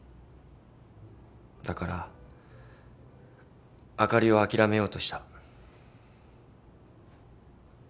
だからあかりを諦めようとした。